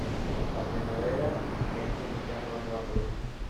La primavera siguiente inician una nueva colonia.